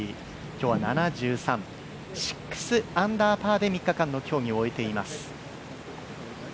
今日は７３６アンダーパーで、３日間の競技を終えています。